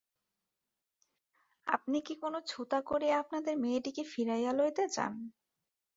আপনি কি কোনো ছুতা করিয়া আপনাদের মেয়েটিকে ফিরাইয়া লইতে চান?